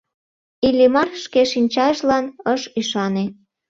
Иллимар шке шинчажлан ыш ӱшане.